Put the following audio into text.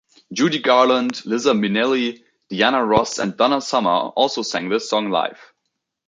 Judy Garland, Liza Minnelli, Diana Ross and Donna Summer also sang this song live.